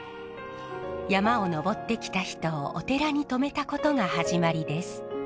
山を登ってきた人をお寺に泊めたことが始まりです。